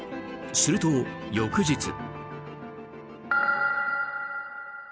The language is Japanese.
すると翌日。